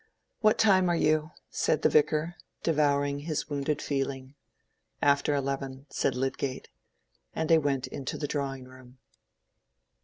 "What time are you?" said the Vicar, devouring his wounded feeling. "After eleven," said Lydgate. And they went into the drawing room.